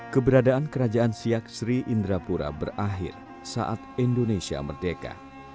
keberadaan kerajaan siak sri indrapura berakhir saat indonesia merdeka